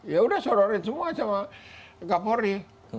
ya udah disodorin semua sama gapori